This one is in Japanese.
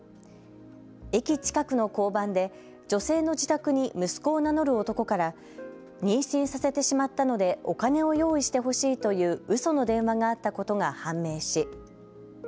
駅近くの交番で女性の自宅に息子を名乗る男から妊娠させてしまったのでお金を用意してほしいといううその電話があったことが判明し。